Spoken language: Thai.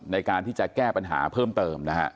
ในการที่จะแก้ปัญหาเพิ่มเติมนะฮะ